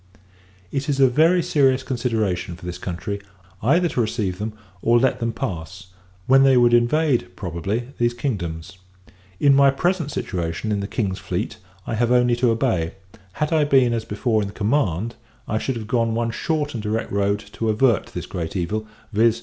It is a very serious consideration for this country, either to receive them, or let them pass; when they would invade, probably, these kingdoms. In my present situation in the King's fleet, I have only to obey; had I been, as before, in the command, I should have gone one short and direct road to avert this great evil: _viz.